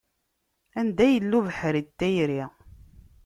Anda yella ubeḥri n tayri.